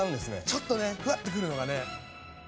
ちょっとねふわっとくるのがね。